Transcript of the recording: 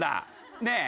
ねえ？